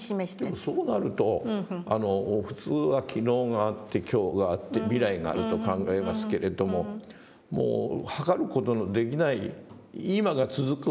でもそうなると普通は昨日があって今日があって未来があると考えますけれどももう測る事のできない今が続くわけです？